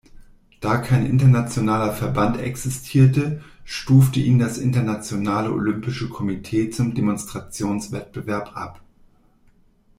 Da kein internationaler Verband existierte, stufte ihn das Internationale Olympische Komitee zum Demonstrationswettbewerb ab.